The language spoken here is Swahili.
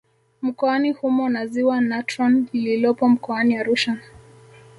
Mkoani humo na Ziwa Natron lililopo Mkoani Arusha